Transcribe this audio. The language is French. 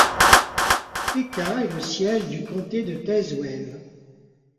Pekin est le siège du comté de Tazewell.